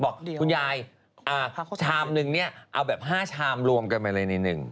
บอกคุณยายชามนึงเนี่ยเอาแบบ๕ชามรวมกันไปเลยในหนึ่ง